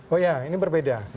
oh ya ini berbeda